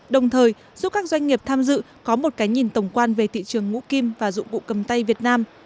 đồng thời giúp các doanh nghiệp tham dự có một cái nhìn tổng quan về thị trường ngũ kim và dụng cụ cầm tay việt nam